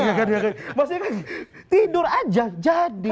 maksudnya tidur aja jadi